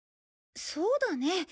そうだね。